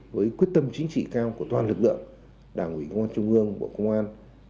với quyết tâm chính trị cao của toàn lực lượng đảng nghị ngoan trung ương bộ công an